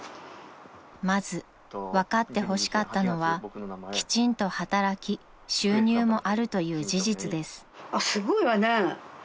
［まず分かってほしかったのはきちんと働き収入もあるという事実です］